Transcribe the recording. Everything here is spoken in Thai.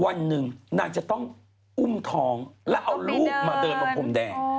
วันหนึ่งนางจะต้องอุ้มท้องแล้วเอาลูกมาเดินตรงพรมแดง